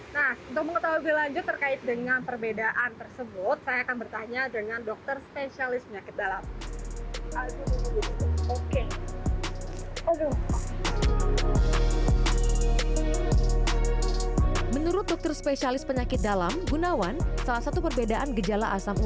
nah untuk mengetahui lebih lanjut terkait dengan perbedaan tersebut saya akan bertanya dengan dokter spesialis penyakit dalam